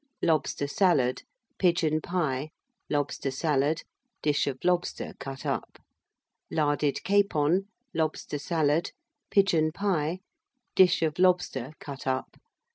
Lobster Salad Pigeon Pie. Lobster Salad. Dish of Lobster, cut up. Larded Capon. Lobster Salad. Pigeon Pie. Dish of Lobster, cut up.